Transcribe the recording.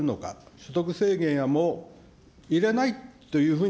所得制限を入れないというふうに、